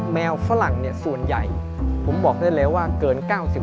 ฝรั่งส่วนใหญ่ผมบอกได้แล้วว่าเกิน๙๐